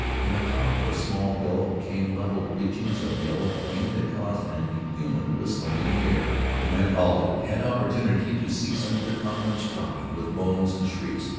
From the top of a small hill came level belchings of yellow flame that caused an inhuman whistling in the air. The men, halted, had opportunity to see some of their comrades dropping with moans and shrieks.